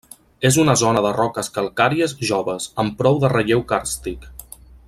És una zona de roques calcàries joves, amb prou de relleu càrstic.